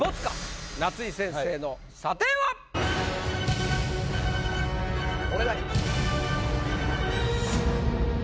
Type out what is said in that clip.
夏井先生の査定は⁉お願い。